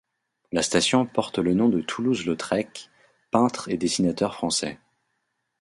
La station porte le nom de Toulouse-Lautrec, peintre et dessinateur français.